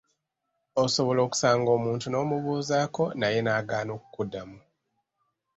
Osobola okusanga omuntu n’omubuuzaako naye n'agaana okukuddamu.